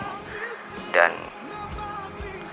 saya belum ada bahan juga nih banget